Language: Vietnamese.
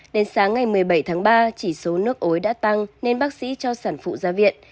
đến sáng ngày một mươi bảy tháng ba chỉ số nước ối đã tăng nên bác sĩ cho sản phụ ra viện